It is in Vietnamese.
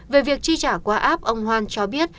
về việc chi trả qua app ông hoan cho biết